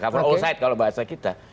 cover all side kalau bahasa kita